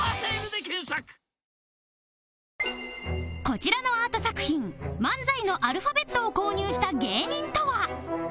こちらのアート作品「ＭＡＮＺＡＩ」のアルファベットを購入した芸人とは？